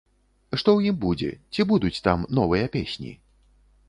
Што ў ім будзе, ці будуць там новыя песні?